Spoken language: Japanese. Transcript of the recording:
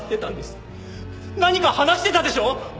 何か話してたでしょ？